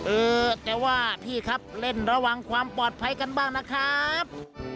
เออแต่ว่าพี่ครับเล่นระวังความปลอดภัยกันบ้างนะครับ